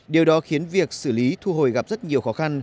điều đó khiến việc xử lý thu hồi gặp rất nhiều khó khăn